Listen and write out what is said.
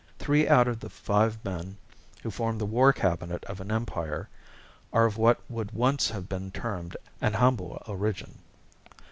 Three out of the five men who form the war cabinet of an empire are of what would once have been termed an "humble origin."